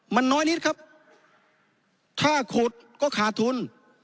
มันน้อยนิดครับถ้าขุดก็ขาดทุน